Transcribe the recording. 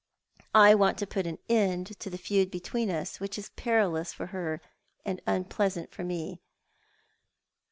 I want to put an end to the feud between us, which is perilous for her and unple isant for me.